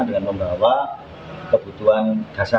dengan membawa kebutuhan dasar